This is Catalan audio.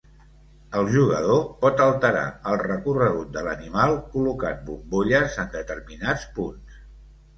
El jugador pot alterar el recorregut de l'animal col·locant bombolles en determinats punts.